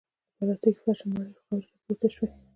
له پلاستيکي فرشه مړې خاورې پورته شوې.